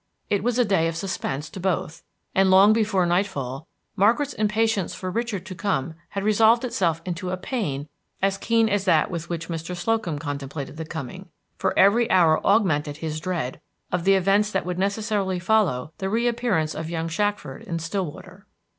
It was a day of suspense to both, and long before night fall Margaret's impatience for Richard to come had resolved itself into a pain as keen as that with which Mr. Slocum contemplated the coming; for every hour augmented his dread of the events that would necessarily follow the reappearance of young Shackford in Stillwater.